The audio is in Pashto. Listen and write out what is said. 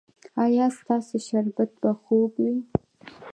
ایا ستاسو شربت به خوږ وي؟